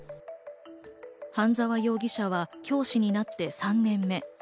半沢容疑者は教師になって３年目。